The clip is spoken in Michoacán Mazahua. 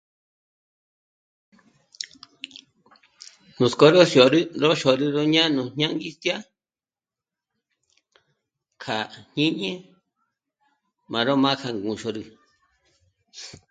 Nuts'kó ró xôrü... rú xôrü nú jñán'o ñângistya kja jñíni m'a rú má'a kja ndzhôri